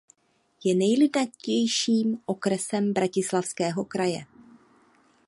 Je nejlidnatějším okresem Bratislavského kraje.